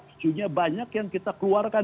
isunya banyak yang kita keluarkan